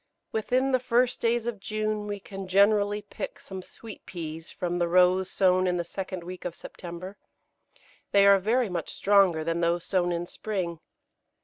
] Within the first days of June we can generally pick some Sweet Peas from the rows sown in the second week of September. They are very much stronger than those sown in spring.